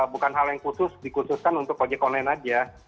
bukan hal yang khusus dikhususkan untuk ojek online aja